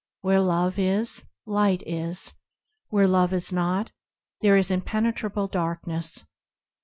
Where Love is, Light is, Where Love is not, there is impenetrable darkness.